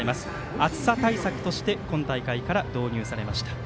暑さ対策として今大会から導入されました。